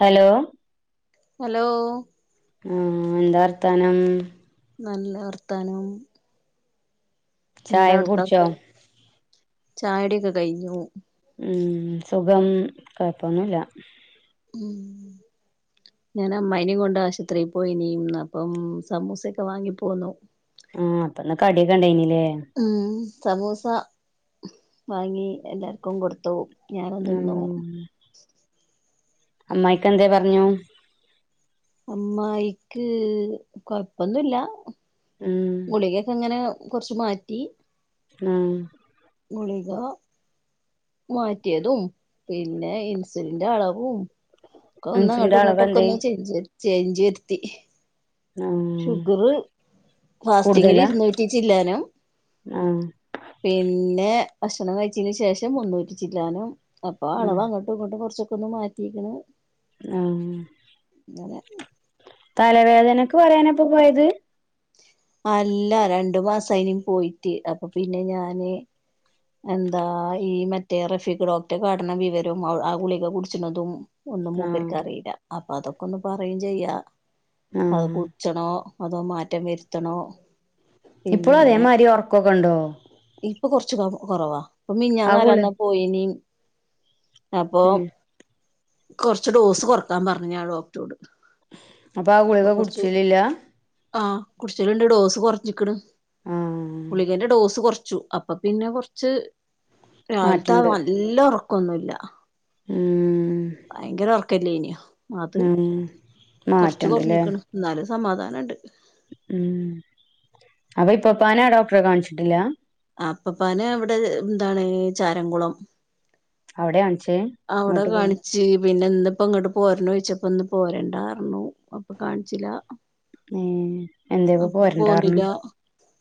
Hello hello. ആഹ് എന്താ വർത്താനം. നല്ല വർത്താനം. ചായൊക്കെ എന്താവ്ട്ത്തവസ്ഥ കുടിച്ചോ ചായുട്യൊക്കെ കഴ്‌ഞ്ഞോ ഉം സുഖം കൊയപ്പൊന്നുല്ല ഉം [inaudible] ഞാൻ അമ്മായിനീം കൊണ്ട് ആശ്ത്രി പോയിനീ അപ്പം സമൂസൊക്കെ വാങ്ങിപ്പോന്നു ആഹ് അപ്പന്ന് കടിയൊക്കെണ്ടേന്ലേ ഉം സമൂസ വാങ്ങി എല്ലാർക്കും കൊടുത്തു ഞാനും ഉം തിന്നു അമ്മായിക്കെന്തേ പർഞ്ഞു അമ്മായിക്ക് കൊയ്പ്പൊന്നുല്ല ഉം ഗുളികൊക്കെങ്ങനെ കൊർച്ച് മാറ്റി ആഹ് ഗുളിക മാറ്റ്യേതും പിന്നെ ഇൻസ്ലിന്റെ അളവും ഒക്കെ ഒന്ന് അൻസിന്റെ അളവ് അങ്ങട്ടുങ്ങട്ടൊക്കെ എന്തേ ഒന്ന് ചേഞ് ചേഞ്ച് വെര്ത്തി ആഹ് ഷുഗർ ഫാസ്റ്റിങ്ങില് കൂടുതലാ ഇരുന്നൂറ്റി ചില്ലാനും ആഹ് പിന്നെ ഭശ്ണം കഴിചീന് ശേഷം മുന്നൂറ്റി ചില്ലാനും അപ്പൊ ഉം അളവങ്ങട്ട് ട്ടുംങ്ങട്ടും കുറച്ചൊക്കെ ഒന്ന് മാറ്റിക്ക്ണ് ആഹ് തലവേദനക്ക് പറിയാനപ്പൊ പോയത് അല്ല രണ്ട്മാസ അയ്ന് പോയിട്ട് അപ്പൊ പിന്നെ ഞാന് എന്താ ഈ മറ്റേ റഫീഖ ഡോക്ടകാട്ട്ണ വിവരോം ആ ഗുളികെ കുടിച്ച്ണതും ഒന്നും ആഹ് മൂപ്പര്ക്ക് അറീല്ല അപ്പൊ അതൊക്കെ ഒന്ന് പറയും ചെയ്യാ അത് ക ആഹ് കുട്ച്ചണോ അതോ മാറ്റം വര്ത്തണോ ഇപ്പളും അതേമാതിരി ഒർക്കൊക്കെണ്ടോ ഇപ്പൊ കൊർച്ച് കൊറവാ ഇപ്പൊ ആ ഗുളി മിഞ്ഞാന്നാല്ലാന്നാ പോയിനി അപ്പൊ ഉം കൊർച്ച് ഡോസ് കൊർക്കാൻ പർഞ്ഞു ഞാൻ ഡോക്ട്റോട് അപ്പൊ ആ ഗുളിക കുടിച്ചലില്ല ആഹ് കുട്ച്ചല്ണ്ട് ഡോസ് കൊർച്ച്ക്ക്ണ് ആഹ് ഗുളികേന്റെ ഡോസ് കുറച്ചു അപ്പൊ പിന്നെ കൊർച്ച് രാവില്ത്തെ ആ മാറ്റണ്ട് നല്ല ഒർക്കൊന്നുല്ല ഉം വയങ്കര ഉറക്കല്ലേനോ അത് ഉം കൊർച്ച് മാറ്റണ്ട്ല്ലേ കൊർഞ്ഞിക്ക്ണ് ന്നാലും സമാധാനണ്ട് ഉം അപ്പൊ ഇപ്പപ്പാനാ ഡോക്ട്രെ കാണ്ച്ചിട്ടില്ല ആ പ്പപ്പാനെ വടെ എന്താണ് ചാരംകുളം അവടെ കാണ്ച്ച് അവടെ കാണിചച്ച് പിന്നെ ന്ന്പ്പോ ങ്ങട്ട് പോർണോയ്ച്ചപ്പോ ഇന്ന് പോരണ്ടാർഞ്ഞു അപ്പൊ കാണിച്ചില ഏഹ് എന്തേപ്പ അപ്പൊ പോന്നില പോരണ്ടാർഞ്ഞ്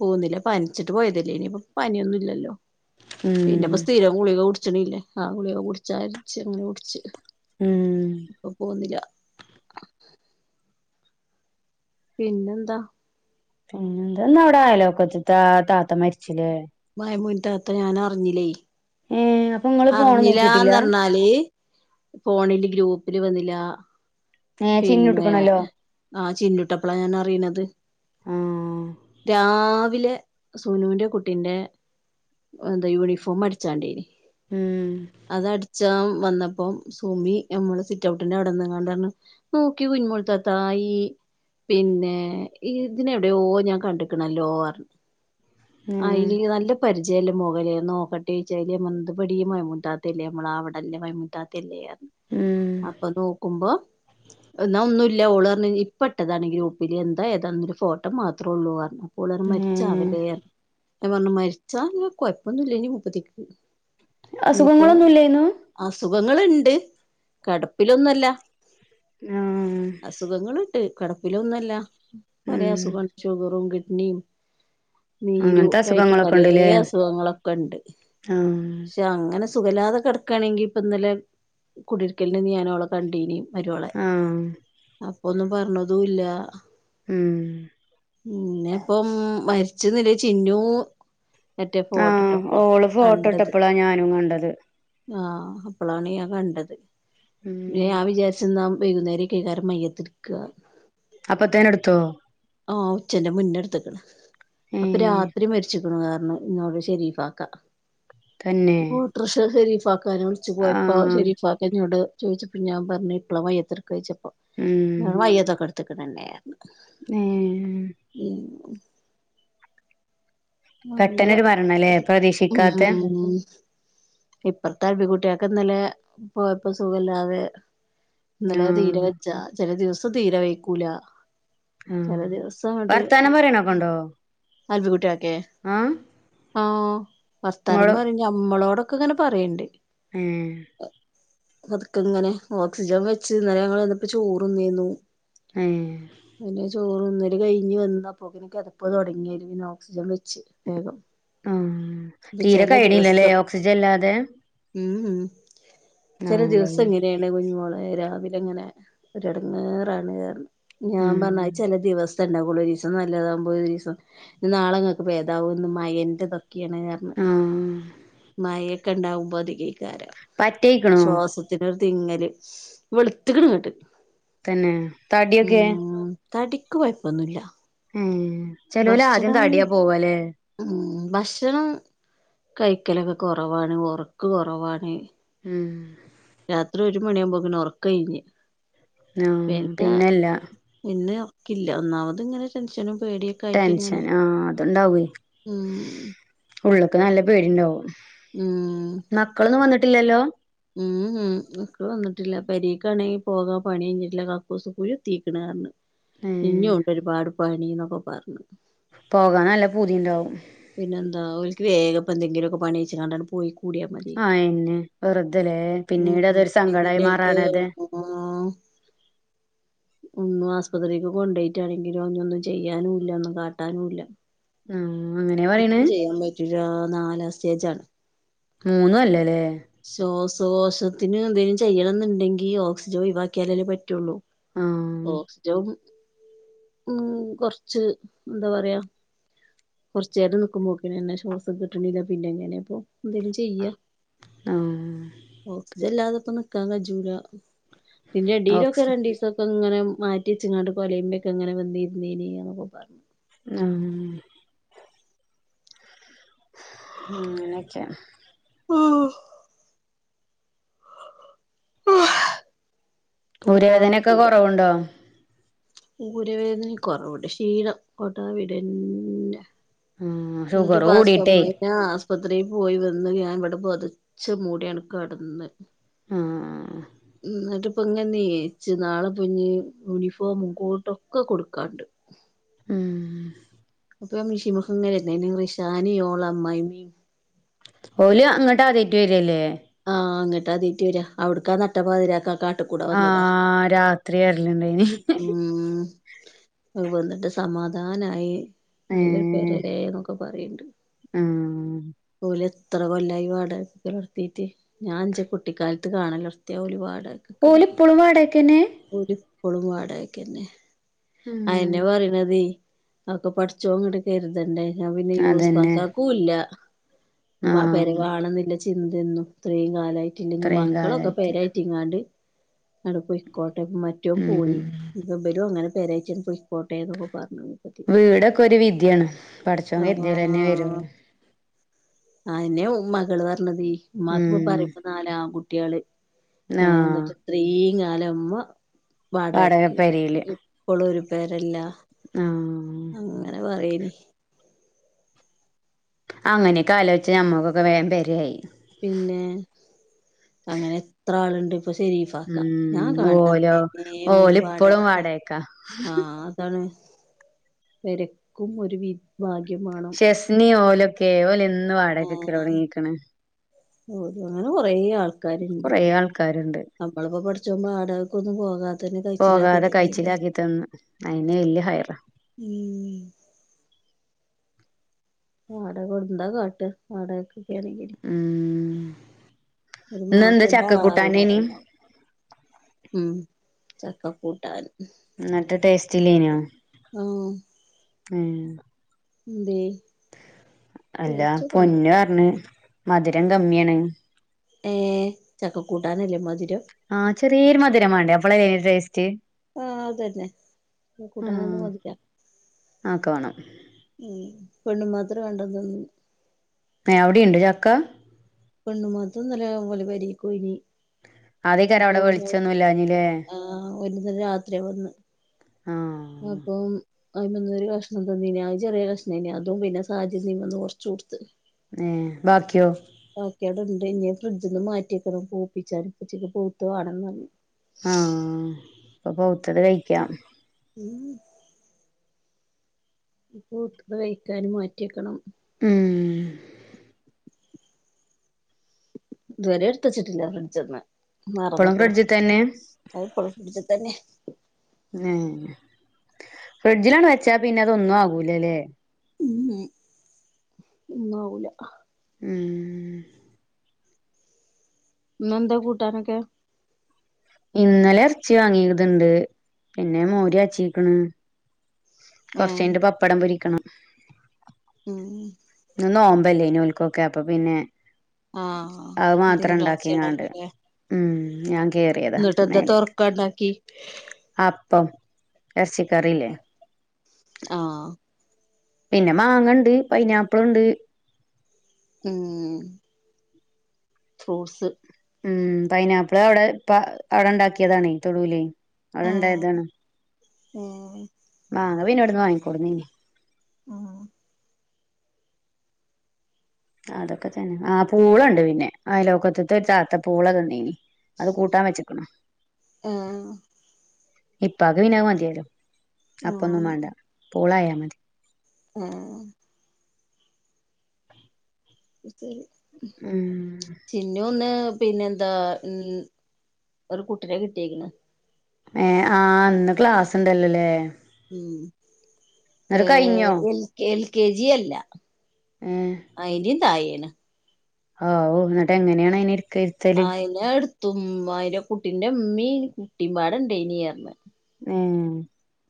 പോന്നില പന്ച്ചിട്ട് പോയതല്ലേനു ഇനിപ്പോ പനിന്നും ഇല്ലല്ലോ ഉം പിന്നെപ്പോ സ്ഥിരം ഗുളിക കുടിച്ച്ണില്ലേ ആഹ് ഗുളികെ കുടിച്ചരിച്ച് ങ്ങനെ കുടിച്ച് ഉം അപ്പൊ പോന്നില പിന്നെന്താ പിന്നെന്താ ന്നവ്ടയലോക്ക്ത്താ താത്ത മരിച്ചിലേ മൈമൂൻതാത്ത ഞാൻ അർഞ്ഞിലേയ് ഏഹ് അപ്പൊ ഇങ്ങള് ഫോണ് നോക്കിട്ടില്ല അറിഞ്ഞിലാന്ന്ർഞ്ഞാല് ഫോണില് ഗ്രൂപ്പില് വന്നിലാ ഏഹ് പിന്നെ ചിന്നുട്ട്ക്കണല്ലോ ആ ചിന്നുട്ടപ്പളാ ഞാൻ അറീണത് ആഹ് രാവിലെ സുനുന്റെ കുട്ടിന്റെ എന്താ യൂണിഫോം അടിച്ചാണ്ടെയ്ന്ന് ഉം അത അടിച്ചാം വന്നപ്പം സുമി നമ്മള് സിറ്റ് ഔട്ടിന്റെ അവിടെന്ന്ങ്ങാണ്ട് പറഞ്ഞു നോക്കിം കുഞ്ഞുമോൾ താത്ത ഈ പിന്നെ ഇതിനെവിടെയോ ഞാൻ കണ്ട്ക്കണല്ലോ പറഞു. ഏഹ് അയില് നല്ല പരിചയമുളള മൊഖല്ലെ ഞാൻ നോക്കട്ടെ [unintelligible] അതില് ഞാൻ പറഞ്ഞു ഇത് പടി മൈമൂന താത്ത അല്ലെ. നമ്മളെ അവിടെല്ല മൈമൂന താത്ത അല്ലെ ഉം അപ്പോ നോക്കുമ്പോ ന്നാ ഒന്നുല്ല ഓളർഞ്ഞു ഇപ്പട്ടതാണ് ഗ്രൂപ്പിൽ എന്താ ഏതാന്നൊന്നുല്ല ഫോട്ടം മാത് ത്രൊള്ളൂ പർഞ് ഏഹ് മരിച്ചാവലേർഞ് ഞാൻ പറഞ്ഞു മരിച്ചാ കൊഴപ്പൊന്നു െല്ലയ്ന്നു ഇനി മുപ്പതിക്ക് ഇനിയിപ്പോ അസുഖങ്ങളൊന്നുല്ലേയ്ന്നു അസുഖങ്ങളുണ്ട് കടപ്പിലൊന്നല്ല ആഹ് അസുഖങ്ങളണ്ട് കിടപ്പിലൊന്നുംല്ല പലെ ഉം അസുഖംഉണ്ട് ഷുഗറും കിഡ്നിയും അങ്ങനത്തെ നീരുംഒക്കെ ആയിട്ട് അസുഖങ്ങളൊക്കെ പലെ ഇണ്ട്ല്ലേ അസുഖങ്ങളൊക്കെ ഉണ്ട് ആഹ് പക്ഷെ അങ്ങനെ സുഖല്ലാതെ കെടക്കയാണെങ്കിൽ ഇപ്പോ ഇന്നലെ കുടരിക്കലിനൊന്നും ഞാനൊളപ്പം കണ്ടീനി മരുളെ ആഹ് അപ്പൊന്നും പറഞ്ഞതും ഇല്ല ഉം പിന്നെ ഇപ്പം മരിച്ചുന്നുല്ലത് ചിന്നൂ ആഹ് ഓള് ഫോട്ടോ കണ്ടത് ഇട്ടപ്പളാ ഞാനും കണ്ടത് ആഹ് അപ്പളാണ് ഞാൻ കണ്ടത് ഉം ഞാൻ വിചാരിച്ചു വൈകുന്നേരക്ക ആയിരിക്കും മയ്യത്ത് എടുക്ക. അപ്പ തന്നെ എടുത്തോ. ആഹ് ഉച്ചന്റെ മുന്നെ എടുത്ത്ക്ക്ണ്. ഏ അപ്പോ രാത്രി മരിച്ച് ക്ക്ണ് കരണംഎന്നോട് ശെരീഫാക്ക. തന്നെ ട്രഷർ ഷെരീഫാക്കാനെ വിളിച്ചു പോയപ്പോ ആഹ് ശരീഫാ എന്നോട് ചോദിച്ചപ്പ ഞാൻ പറഞ്ഞു എപ്പള മയ്യിത്ത് എടുക്കാ ചോദിച്ചപ്പോ ഉം അത് മയ്യത്ത് എടു ഇതൊക്കെ തന്നെയായിരുന്നു. ഏഹോ ഉം അറിഞ്ഞില പെട്ടെന്നൊരു മരണല്ലേ പ്രതീക്ഷിക്കാത്തെ ആഹ് ഇപ്പറത്തെ അബികുട്ടിയാക്ക ഇന്നലെ പോയപ്പോ സുഖല്ലാതെ ഇന്നലെ തീരെ ആഹ് വജ്ജാ ചെല ദിവസം തീരെ വൈക്കൂല. ആഹ വർത്താനം പറയണോക്കണ്ടോ? അൽവി കുട്ടിയാക്കെ ആഹ് ആഹ് വർത്താനം ഇങ്ങള് പറയും നമ്മളോടൊക്കെ ഇങ്ങനെ പറയണ്ട്. ഉം പതുക്കെ ഇങ്ങനെ ഓക്സിജൻ വെച്ച് ഇന്നലെ ഞങ്ങൾ ചെന്നപ്പോ ചോറ്ന്നെന്നു. ഏഹ് പിന്നെ ചോറ് ന്നല് കഴിഞ് വന്നപ്പോ അപ്പോ പിന്നെ കെതപ്പ് തുടങ്ങി അയില് പിന്നെ ഓക്സിജൻ വെ ച്ചു വേഗം ആഹ് ഇപ്പ തീരെ ചില കയിണില്ലല്ലെ ദിവസം ഓക്സിജൻ ഇല്ലാതെ. ഉം ഉം ചല ആഹ് ദിവസം ഇങ്ങനെയാണ്. ന്റെ കുഞ്ഞിമോളെ രാവിലെ ഇങ്ങനെ ഒരടങ്ങേറാണ് പറഞ്ഞു. ഞാൻ പറഞ്ഞു ഉം അത് ചെല ദിവസം സം ണ്ടാകുള്ളു ഒരീസം നല്ലതകുമ്പോ ഒരു രീസം നാളെങ്ങൾക്ക് ഭേദാവും ഇന്ന് മയന്റെ ഇത് ക്കെണ് പറഞ്ഞു ആഹ് മഴയൊക്കെ ഉണ്ടാവുമ്പോതികധികായ്ക്കാരം പറ്റയിക്കണോ ശ്വാസ ത്തിനൊരു തിങ്ങല. വെളുത്ത്ക്ക്ണ്ങ്ങ്ട്ട്. തന്നെ തടിയൊക്കെ. തടിക്ക് കൊയപ്പൊന്നുമില്ല. ഏ ചെലോല് ആദ്യം ഭക്ഷ്ണം. തടിയാ പോവല്ലേ ഉം ഭക്ഷണം കഴിക്കലൊക്കെ കൊറവാണ് ഉറക്ക് കൊറവാണ് ഉം രാത്രി ഒരു മണിയാകുമ്പോ ഇങ്ങനെ ഉറക്കം ഒഴിഞ്ഞ്. ആഹ് പിന്നെ പിന്നെല്ല ഇന്ന് ല്ല ഒന്നാമത് ഇങ്ങനെ ടെൻഷനും പേടിയും. ടെൻഷൻ ആഹ് അതുണ്ടാവൂം ഉം ഉള്ളൊക്കെ നല്ല പേടിണ്ടാവും. ഉം മക്കളൊന്നും വന്നിട്ടില്ലല്ലോ? ഉം ഉം മക്കളൊന്നും വന്നിട്ടില്ല പെരീക്കാണെങ്കിൽ പോകാ പണി കഴിഞ്ഞിട്ടില്ല. കക്കൂസ്കുഴി കുത്തീക്ക്ണ് പറഞ്. ഇഞ്ഞും ഏഹ് ഒണ്ട് ഒരുപാട് പണി എന്നൊക്കെ പറഞ്ഞു. പോകാൻ നല്ല പൂതിയു ണ്ടാവും. പിന്നെ എന്താ ഓൾക്ക് വേഗം. ഇ എന്തെങ്കിലുമൊക്കെ പണിച്ചെച്ച് കണ്ടാണ് പോയി കൂടിയ. ആഹ എന്നന്നെ വെറുതല്ലേ ഉം പിന്നീട് ഉം അതൊരു ഇതിന്റെട്ക്ക് സങ്കടമായിമാറാന് അത്. ആഹ് ഒന്നും ആസ്പപത്രിക്ക് കൊണ്ട് പോയിട്ടാണെങ്കിലും ഒന്നും ചെയ്യാനുംല്ല. ഒന്നും കാട്ടാനുംല്ല. ആഹ് അങ്ങനെ പറയണ് അപ്പം ചെയ്യാൻ പറ്റൂല്ല നാലാം സ്റ്റേജ് ആണ്. മുന്നും അല്ലല്ലേ ശ്വാസകോശത്തിന് എന്തേങ്കിലും ചെയ്യണം എന്നുണ്ടെങ്കിൽ ഓക്സിജൻ ഒഴിവാക്കിയാലേ പറ്റുള്ളൂ. ആഹ് ഓക്സിജം ഉം കൊറച്ച് എന്താ പറയാ കൊറച്ചേരം നിക്കുമ്പോക്ക്നെന്നെ ശ്വാസം കിട്ടണില്ല പിന്നെ എങ്ങനെ ഇപ്പോ എന്തെങ്കിലും ചെയ്യാ ആഹ് ഓക്സിജൻ ഇല്ലാതെഇപ്പം നിക്കാൻ കജൂല പിന്നെ ഡീയിലൊക്കെ ഓക്സി രണ്ടീസം ഇപ്പം ങ്ങനെ മാറ്റി ച്ച്ങ്ങാട്ട് കൊലയിമ്മലൊക്കെങ്ങെനെ വന്നിരുന്നീനി ന്നൊക്കെ പറഞ്ഞു ആഹ് അങ്ങനെയൊക്കെണ് ആഹ് കോട്ടാ ഊരവേദനയൊക്കെ കൊറവുണ്ടോ? ഊരവേദന കൊറവുണ്ട് ക്ഷീണം കോട്ടാവിടന്നെ ആഹ് എന്നിട്ട് ഷുഗർ പാസ്യിട്ട കൂടിട്ടേ [unintelligible] ആശുപത്രിയിൽ പോയി വന്ന് ഞാൻ ഇവിടെ പൊതച്ച് മൂടിയാണ്ട് കെടന്ന് ആഹ് ആഹ് ആഹ് ന്നിട്ട് ഇപ്പ ഇങ്ങനെ എഴിച്ച് നാളെപ്പം ഞ്ഞി യൂണിഫോമും കോട്ടൊക്കെ കൊടുക്കാണ്ട് മ് അപ്പം മെഷിമ്മെക്ക് ഇങ്ങനെരിന്നെനി റിഷാനിം ഓളെ അമ്മായിമ്മീം ഓല് അങ്ങട്ട് ആദ്യായിറ്റ് വരല്ലേ ആഹ് അങ്ങട്ട് അദ്യായിറ്റ് വരാ അവിടുക്കാ നട്ടപ്പാതിരാക്ക് ആ കാട്ട് ആഹ് രാത്രി വര്ല്ണ്ടേനി ഉം വന്നിട്ട് സമാധാനായി നല്ല ഏഹ് പൊരലേ എന്നൊക്കെ പറയണ്ട് ആഹ് ഓല് എത്ര കൊല്ലായി വാടകയക്ക് നിക്കല് ലോടത്തീട്ട് ഞാൻ ന്റെ കുട്ടിക്കാലത്ത് കാണലൊട്ത്യാ ഓല് വാടകക്ക് ഓല് നിക്കണത് ഇപ്പളും വാടകക്കെന്നെ ഓല് ഇപ്പളും വാടകക്കെന്നെ ഉം ആന്നെ പറയണതേ ആക്കെ പഠിച്ചോൻ ങ്ങട്ട് കരുതണ്ടേ ന്നാ പിന്നെ അതന്നെ യൂസ്ഫാക്കാക്കുംല്ല മ ആഹ് പെരവാണെന്നില്ല ചിന്തയന്നും ഇത്രയും കാലമായിട്ടില്ലെങ്കിൽ ഇത്രയും മക്കളൊക്കെ കാലായിട്ട് പെരായി റ്റങ്ങാണ്ട് ങ്ങട് പോയിക്കോട്ടെ മറ്റോ ൻ ഉം പോയി ഞ്ഞി ഇവരും അങ്ങനെ പെരാച്ച് പോയി വീടൊക്കെ ഒരു വിധിയാണ് പടച്ചോൻ കര്ദ്യാലെന്നെ വരുള്ളൂ ആന്നെ ഉ മ്മകള് പറഞ്ഞത് ഉമ്മാക്ക് ഇപ്പൊ ഉം പറയുമ്പം നാലാൺ കുട്ട്യാള് ഏ ആഹ് ന്ന്ട്ട് ഇത്രീ കാലം മ്മ വാടക വാടകക്ക് പെരേല് ഇപ്പളും ഒരു പെരല്ല ആഹ് അങ്ങനെ പറയേനി അങ്ങനെയൊക്കെ ആലോചിച്ചാ നമ്മക്കൊക്കെ വേ പെരേ ആയി പിന്നെ അങ്ങനെ എത്ര ആളുണ്ട് ഇപ്പൊ ശെരീഫ് മ് ഓലോ ഓല് ഇപ്പളും വാടകക്ക ആ അതാണ് പെരക്കും ഒരു വിധി ഭാഗ്യം വേണം ഇണ്ണി ഓലൊക്കെ ഓലന്ന് വാടകക്ക് നിക്കല് തൊടങ്ങീക്ക്ണ് ഓ അങ്ങനെ കൊറേ ആൾക്കാരുണ്ട് കുറേ ആൾക്കാരുണ്ട് നമ്മളെപ്പോ പടച്ചോൻ വാടകക്കൊന്നും പോകാ പോകാതെ കഴിച്ചിലാക്കി തന്ന് അതെന്നെ വല്യ ഹൈറാ ഉം വാടക കൊടുന്താകാട്ടാ വാടകക്കൊ ക്കെ ആണെങ്കിൽ മ് മ് ഒരു മാസം ഇതാ [unintelligible] കൂട്ടാനേനി ആറിോക്കും ഉം ചക്ക കൂട്ടാൻ എന്നിട്ട് ടേസ്റ്റില്ലേനോ ആ ഏ എന്തേയ് അല്ല പൊന്നു പറഞ്ഞ മധുരം കമ്മിയാണ് ഏഹ് ചക്കക്കൂട്ടാനല്ലേ മധുരം ആഹ് ചെറിയരു മധുരമാണ്ടേ അവള ടേസ്റ്റ് ആഹ അതു തന്നെ കൂട്ടാൻ എ ആഹ് മോദിക്കാം അതൊക്കെ വേണം ഉ പെണ്ണു മാത്ര കേണ്ടതന്ന അവിടെയുണ്ട് ചക്ക പെണ് മാത്രും നല്ല പോലി വരിക്ക ഇനി അതേക്കാരം അപ്പോ അവിടെ വെളിച്ചൊന്നും ഇല്ലാഞ്ഞില്ലേ ആഹ വുന്ന രാത്രി വന്ന് ആഹ അപ്പം അതിന് വന്നൊരു കഷ്ണം തന്നീ ചെറിയ കഷ്ണേന അതും പിന്നെ സാഹച്യംന്ന് കുറച്ച്ു കൊടുത്ത് ഏ ബാക്കിയോ നോക്കേട ഇണ്ട് ഇനി ഫ്രിഡ്ജിന്ന് മാറ്റിക്കണം പൂപ്പിച്ചാലും പച്ചക്ക് പൂത്ത് വാടി ഉ അപ്പൊ പോത്തത് കഴിക്കാം ഉം കൂട്ട കഴിക്കാനും മാറ്റിക്കണം ഉം ഇത്വരെ എടുത്ത വച്ചിട്ടില്ല ഫ്രിഡ്ജ ഒന്ന് പളം പ്രറജിത തന്നെ ക ഫഴോഫടുത്ത തന്നെ ഫ്രിഡ്ജിലാണ് വെച്ചാ പിന്നെ അതൊന്നും ആകൂലല്ലേ ഉം ഒന്നാവൂല ഉം നന്താ കൂട്ടാനൊക്കെ ഇന്നലെ ഇറച്ചി വാങ്ങിയതുണ്ട് പിന്നെ മോര്യാച്ചീക്കണ് ഏഹ് കൊറച്ചന്റെ പപ്പടം പിരിക്കണം ഉം ഒന്ന് ഓമ്പല്ലേ ഇനി ഉൽക്കൊക്കെ അപ്പൊ പിന്നെ ആഹ് അത് മാത്രം ഉണ്ടാക്കിയങ്ങണ്ട് തിങ്കളാഴ്ചയാണല്ലോല്ലേ ഉ ഞാൻ കേറിയതാ എന്നിട്ട്ന്താ മേലേക്ക് തൊറക്ക ഉണ്ടാക്കി അപ്പം ഇറച്ചിക്കറിയില്ലേ ആഹ് പിന്നെ മാങ്ങ ഇണ്ട് പൈനാപ്പിള് ഇണ്ട് മ്മ് മ്മ് ഫ്രൂട്ട്സ് ഉം പൈനാപ്പിള് അവിടെ അവിടെ ഉണ്ടാക്കിയതാണ തൊടുവൽ അവിടെ ഏഹ് ഇണ്ടായതാണ് ആഹ് മാാങ്ങ പിന്നവിടുന്ന് വാങ്ങിക്കോടന്ന ആഹ് അ ആഹ് അതൊക്കെ തന്നെ ആഹ് പൂളണ്ട് പിന്നെ അയലോക്കത്തെ ഒരു താത്ത പൂള തന്നിന് അത് കൂട്ടാൻ വെച്ച്ക്ക്ണ് ഏഹ് ഇപ്പാക്ക് പിന്നെ അത് മതിയല്ലോ അപ്പൊന്നും വേണ്ട പൂളായ മതി ആഹ് [unintelligible] മ്മ് ചിന്നു ഇന്ന് പിന്നെ എന്താ ഇ ഒരു കുട്ടിനെ കിട്ടിയേക്കണ് ഏഹ് ആഹ് ഇന്ന് ക്ലാസ് ഇണ്ടല്ലല്ലേ മ്മ് കഴിഞ്ഞോ ഏഹ് L K L K G അല്ല ഏ അയിന്റിം തായെണ് ഹാവൂ ന്നട്ട് എങ്ങനെയാണ് അയിനെ ഇരിക്കെ അയിനെ ടുത്തും ഉം അയിന്റെ കുട്ടിന്റെ ഇമമിം കുട്ടീ പാടണ്ടേനീ ഏ ഹ്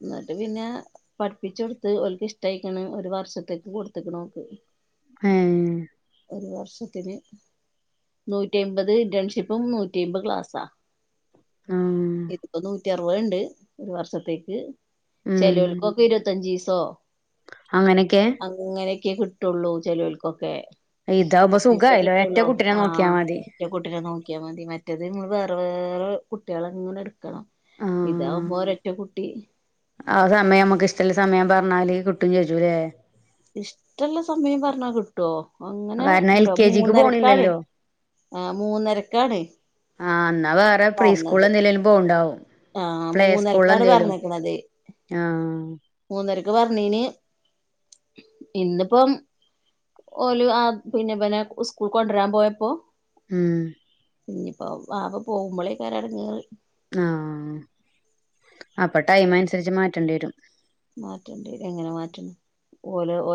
ന്നട്ട് പിന്നെ പട്പ്പിച്ചോടുത്ത് ഓൽക്ക് ഇഷ്ടായിക്കണ് ഒരു വർഷത്തേക്ക് കൊടുത്ത്ക്ക്ണു ഓൾക്ക് ഏ ഹ് ഒരു വർഷത്തില് നൂറ്റയിമ്പത് ഡേൺഷിപ്പും നൂറ്റയിമ്പ് ക്ലാസ്സാ ആഹ് ഇപ്പോ നൂറ്റി അറുപണ്ട് ഒരു വർഷത്തേക്ക് ഉം ചെലോൽ ക്കൊ ഇരൊത്തഞ്ചീസോ അങ്ങനൊക്കെ അങ്ങനൊക്കെ കിട്ടുള്ളൂ ചെലോൽകൊക്കെ ഇതാവുമ്പോ സുഖ ആയല്ലോ ഒറ്റ കുട്ടിനെ നോക്കിയ ആഹ് മതി. ഒറ്റ കുട്ടിനെ നോക്കിയ മതി മറ്റേത് ഉം വേറെ വേറെ കുട്ടികളെ ഇങ്ങനെ എട് ക്കണം ആഹ് ഇതാവുമ്പോ ഒരൊറ്റ കുട്ടി ആ സമയം മക്ക് ഇഷ്ടള്ള സമയം പറഞ്ഞാല് കിട്ടും ചെയ്യൂലേ ഇഷ്ടള്ള സമയം പറഞ്ഞാ കിട്ടോ അങ്ങനെ കാരണം എൽ ണ്ടോ കെ ജിക്ക് മൂന്നരക്കാണ് പോണില്ലല്ലോ ആഹ് മൂന്നരക്കാണ് ആ ന്നാ വേറെ പറഞ്ഞത് പ്രീസ്കൂളന്തിലേലും പോണ്ടാവും ആഹ് പ്ലേ സ്കൂള് മൂന്നരക്കാണ് എന്തേലും പറഞ്ഞേക്കണത് ആഹ് മൂന്നരക്ക് പറഞ്ഞീന് ഇന്നിപ്പം ഓല് ആ പിന്നെ വനെ സ്കൂക്ക് കൊണ്ടരാൻ പോയപ്പോ ഉം ഇഞ്ഞി പ്പോ വാവ പോകുമ്പോളേക്കാരം എടങ്ങേറ് ആഹ് അപ്പൊ ടൈം അൻസരിച്ച് മാറ്റേണ്ടി വരും മാറ്റണ്ടെ എങ്ങനെ മാറ്റാൻ ഓല് ഓ